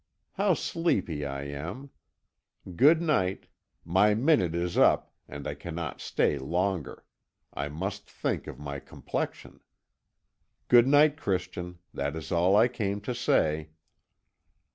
How sleepy I am! Good night. My minute is up, and I cannot stay longer; I must think of my complexion. Goodnight, Christian; that is all I came to say."